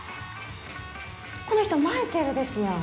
この人マイケルですやん。